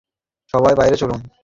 সবাই বাইরে চলুন!